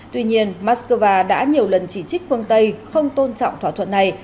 tuy nhiên moscow đã nhiều lần chỉ trích phương tây không tôn trọng thỏa thuận này